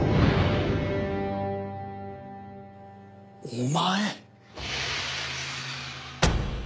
お前！